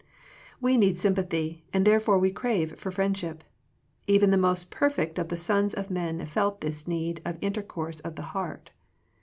We need sympathy, and therefore we crave for friendship. Even the most per fect of the sons of men felt this need of intercourse of the heart.